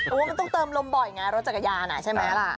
เพราะว่ามันต้องเติมลมบ่อยไงรถจักรยานใช่ไหมล่ะ